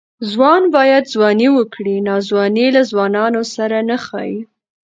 ځوان باید ځواني وکړي؛ ناځواني له ځوانانو سره نه ښايي.